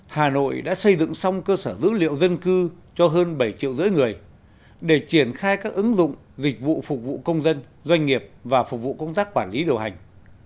hà nội đã xây dựng xong cơ sở dữ liệu dân cư cho hơn bảy triệu rưỡi người để triển khai các ứng dụng dịch vụ phục vụ công dân doanh nghiệp và phục vụ công tác quản lý điều hành